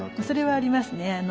それはありますね。